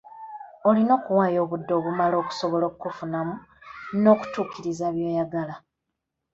Olina okuwaayo obudde obumala okusobala okukufunamu n'okukutuukiriza by'oyagala.